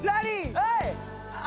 はい！